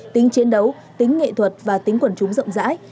tính chiến đấu tính nghệ thuật và tính quần chúng rộng rãi